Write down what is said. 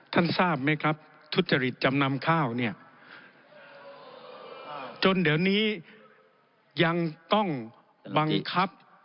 ทราบไหมครับทุจริตจำนำข้าวเนี่ยจนเดี๋ยวนี้ยังต้องบังคับ